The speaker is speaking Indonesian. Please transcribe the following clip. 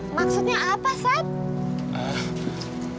maksudnya apa sat